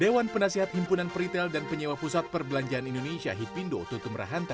dewan penasihat himpunan peritel dan penyewa pusat perbelanjaan indonesia hipindo tutum rahanta